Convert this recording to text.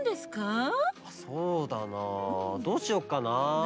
そうだなどうしよっかな。